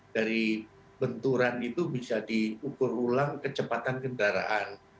dari benturan itu bisa diukur ulang kecepatan kendaraan